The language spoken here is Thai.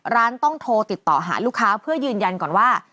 ร้านต้องโทรติดต่อหาลูกค้าเพื่อยืนยันก่อนว่า